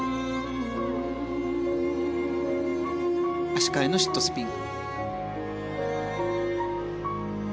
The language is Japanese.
足換えのシットスピン。